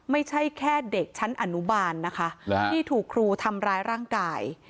ไม่ใช่แค่เด็กชั้นอนุบาลนะคะที่ถูกครูทำร้ายร่างกาย